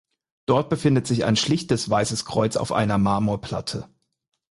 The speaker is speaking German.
Dort befindet sich ein schlichtes weißes Kreuz auf einer Marmorplatte.